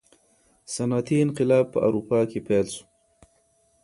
صنعتي انقلاب په اروپا کي پیل سو.